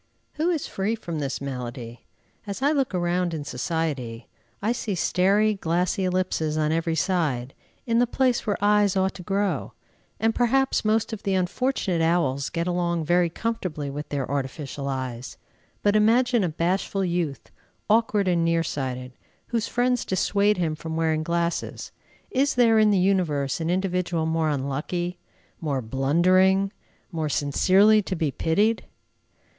Who is free from this malady? As I look around in society, I see staring glassy ellipses on every side "in the place where eyes ought to grow," and perhaps most of the unfortunate owls get along very comfortably with their artificial eyes. But imagine a bashful youth, awkward and near sighted, whose friends dissuade him from wearing glasses. Is there in the universe an individual more unlucky, more blundering, more sincerely to be pitied?